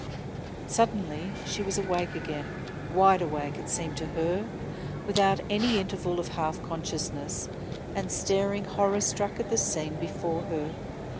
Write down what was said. Suddenly she was awake again, wide awake, it seemed to her, without any interval of half consciousness, and staring horror struck at the scene before her.